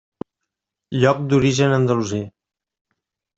Lloc d'origen andalusí.